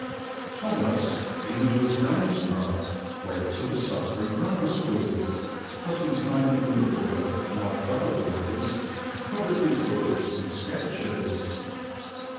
Thomas, England's Gainsborough, went to the Sudbury Grammar School, cut his name in the woodwork like other boys, covered his books with sketches.